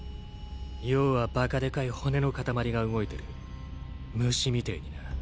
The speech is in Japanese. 要はバカでかい骨の塊が動いてる虫みてぇにな。